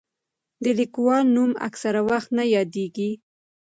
د لیکوال نوم اکثره وخت نه یادېږي.